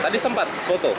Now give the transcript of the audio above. tadi sempat foto